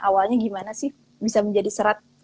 awalnya gimana sih bisa menjadi serat